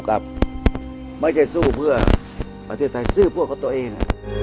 ก็สู้เพื่อกันตัวเอง